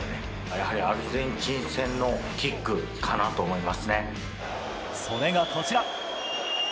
やはりアルゼンチン戦のキックかそれがこちら。